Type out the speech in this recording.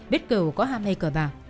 biết cửu có ham hay cờ bạc